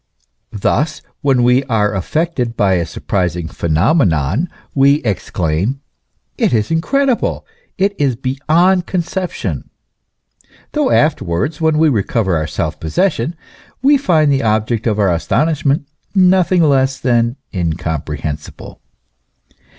Thus, when we are affected by a surprising phenomenon, we exclaim : It is incredible, it is beyond conception ! though afterwards, when we recover our self possession, we find the object of our astonishment nothing less than incomprehensible.